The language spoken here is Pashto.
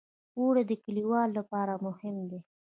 اوړه د کليوالو لپاره مهم دي